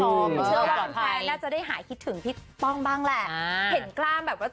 เชื่อว่าแฟนน่าจะได้หายคิดถึงพี่ป้องบ้างแหละ